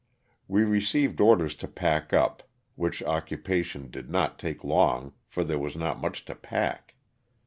We received orders to pack up, which occupation did not take long for there was not much to pack.